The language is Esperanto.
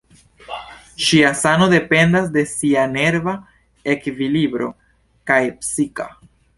Ŝia sano dependas de sia nerva ekvilibro, kaj psika.